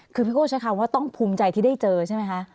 คือพี่โก้ใช้คำว่าต้องภูมิใจที่ได้เจอใช่ไหมคะ